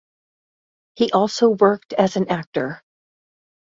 He also worked as an actor.